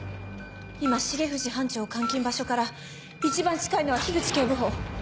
今重藤班長監禁場所から一番近いのは口警部補。